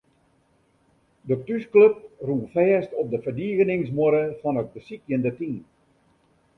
De thúsklup rûn fêst op de ferdigeningsmuorre fan it besykjende team.